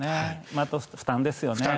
あと負担ですよね。